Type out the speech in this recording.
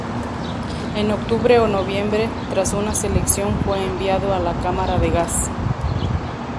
En octubre o noviembre, tras una selección, fue enviado a la cámara de gas.